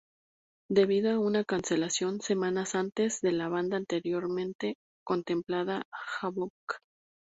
Debido a una cancelación semanas antes, de la banda anteriormente contemplada, Havok.